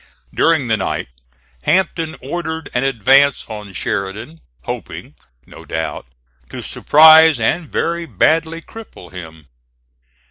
During the night Hampton ordered an advance on Sheridan, hoping, no doubt, to surprise and very badly cripple him.